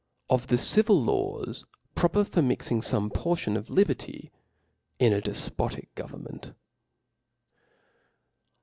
Of the civil h^Mvi proper for mixing Jome por^ tion of Liberty in a demotic Govemtnekt.